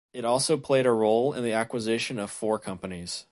It also played a role in the acquisition of four companies.